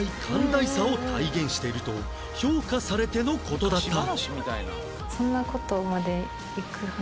・寛大さを体現していると評価されての事だった